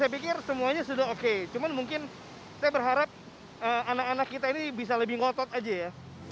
saya pikir semuanya sudah oke cuman mungkin saya berharap anak anak kita ini bisa lebih ngotot aja ya